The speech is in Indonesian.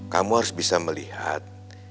kamu harus bisa melihat